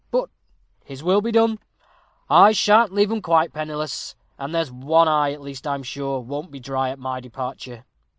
But His will be done. I sha'n't leave 'em quite penniless, and there's one eye at least, I'm sure, won't be dry at my departure."